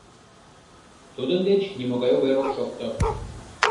— Тудын деч нимогай увер ок шокто.